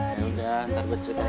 eh udah ntar gue ceritain